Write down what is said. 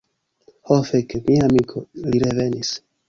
Ho fek. Mia amiko, li revenis.